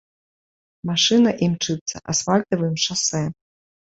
Машына імчыцца асфальтавым шасэ.